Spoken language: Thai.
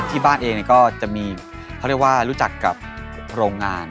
ที่บ้านเองก็จะมีเขาเรียกว่ารู้จักกับโรงงาน